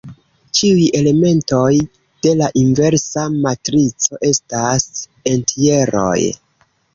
Ĉiuj elementoj de la inversa matrico estas entjeroj.